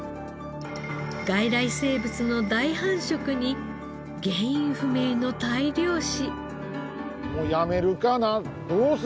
外来生物の大繁殖に原因不明の大量死。